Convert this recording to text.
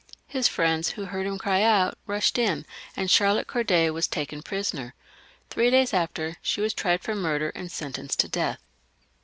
His friends, who heard him cry out, rushed in, and Charlotte Corday was taken prisoner. Three days afterwards she was tried for murder, and sentenced to death.